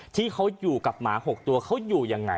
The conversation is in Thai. ที่เขาอยู่กับหมา๖ตัวเขาอยู่ยังไง